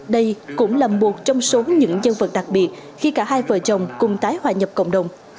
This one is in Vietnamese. đây cũng là một trong số những nhân vật đặc biệt khi cả hai vợ chồng cùng tái hòa nhập cộng đồng